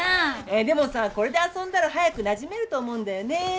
えっでもさこれで遊んだら早くなじめると思うんだよね。